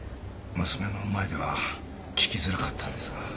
娘の前では聞きづらかったんですが。